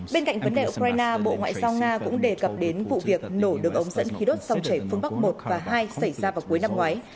bên cạnh vấn đề ukraine bộ ngoại giao nga cũng đề cập đến vụ việc nổ đường ống dẫn khí đốt dòng chảy phương bắc một và hai xảy ra vào cuối năm ngoái